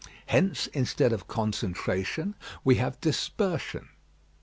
Hence instead of concentration we have dispersion.